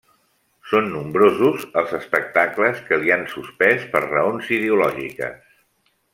Són nombrosos els espectacles que l'hi han suspès per raons ideològiques.